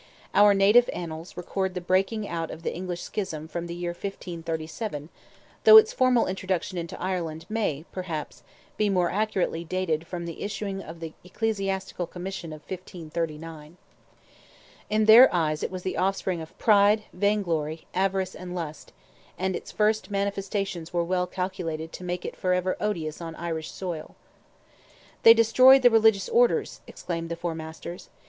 Our native Annals record the breaking out of the English schism from the year 1537, though its formal introduction into Ireland may, perhaps, be more accurately dated from the issuing of the Ecclesiastical Commission of 1539. In their eyes it was the offspring of "pride, vain glory, avarice, and lust," and its first manifestations were well calculated to make it for ever odious on Irish soil. "They destroyed the religious orders," exclaimed the Four Masters!